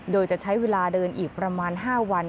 โดยจะใช้เวลาเดินอีกประมาณ๕วัน